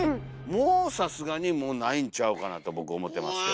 もうさすがにもうないんちゃうかなと僕思ってますけど。